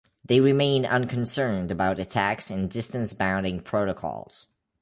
They remain unconcerned about attacks and distance-bounding protocols.